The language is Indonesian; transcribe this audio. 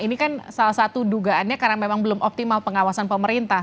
ini kan salah satu dugaannya karena memang belum optimal pengawasan pemerintah